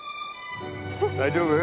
大丈夫？